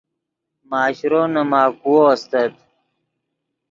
ماشرو نے ماکوؤ استت